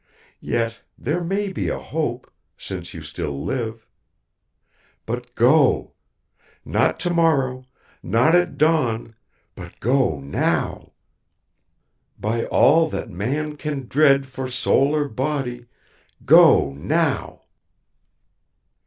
Yet there may be a hope since you still live. But go. Not tomorrow, not at dawn, but go now. By all that man can dread for soul or body, go now."